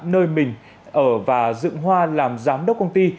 nơi mình ở và dựng hoa làm giám đốc công ty